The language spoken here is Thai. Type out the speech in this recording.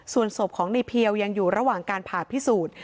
ส่วนศพของในเพียวยังอยู่ระหว่างการผ่าพิสูจน์